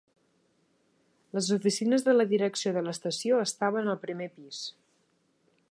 Les oficines de la direcció de l'estació estaven al primer pis.